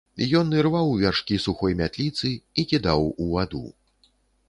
Ён ірваў вяршкі сухой мятліцы і кідаў у ваду.